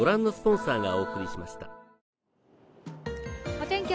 お天気